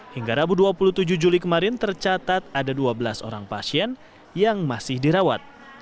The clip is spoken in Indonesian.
hingga rabu dua puluh tujuh juli kemarin tercatat ada dua belas orang pasien yang masih dirawat